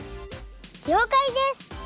りょうかいです！